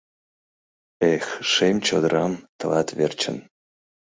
Эх, шем чодырам, тылат верчын